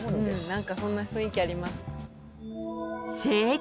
何かそんな雰囲気あります。